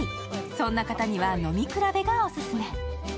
そんな方には飲み比べがオススメ。